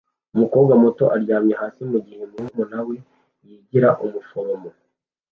Umukobwa muto aryamye hasi mugihe murumuna we yigira umuforomo